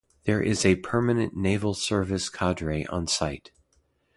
There is a permanent Naval Service cadre on site.